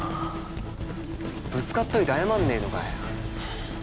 ぶつかっといて謝んねえのかよ。